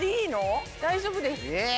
大丈夫です。